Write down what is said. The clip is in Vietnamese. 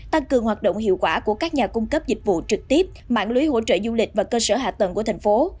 tăng cường hoạt động hiệu quả của các nhà cung cấp dịch vụ trực tiếp mạng lưới hỗ trợ du lịch và cơ sở hạ tầng của thành phố